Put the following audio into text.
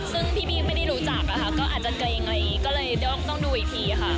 ซึ่งพี่บี้ไม่ได้รู้จักนะคะก็อาจจะเกรงอะไรอย่างนี้ก็เลยต้องดูอีกทีค่ะ